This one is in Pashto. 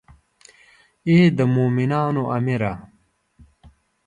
ای د مومنانو امیره.